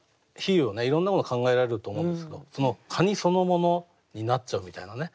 いろんなもの考えられると思うんですけどカニそのものになっちゃうみたいなね